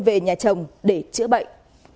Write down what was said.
về nhà trồng để chữa bệnh